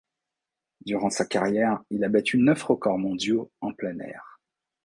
Durant sa carrière, il a battu neuf records mondiaux en plein air.